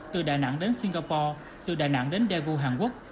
từ đà nẵng đến singapore từ đà nẵng đến daegu hàn quốc